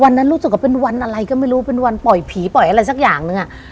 รู้สึกว่าเป็นวันอะไรก็ไม่รู้เป็นวันปล่อยผีปล่อยอะไรสักอย่างนึงอ่ะ